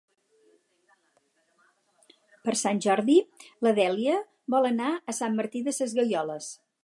Per Sant Jordi na Dèlia vol anar a Sant Martí Sesgueioles.